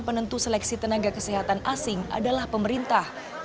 penentu seleksi tenaga kesehatan asing adalah pemerintah